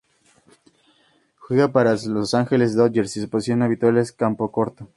Juega para Los Ángeles Dodgers y su posición habitual es campocorto.